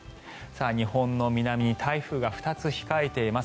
日本の南に台風が２つ控えています。